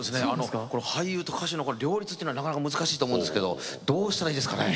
俳優と歌手の両立ってのはなかなか難しいと思うんですけどどうしたらいいですかね？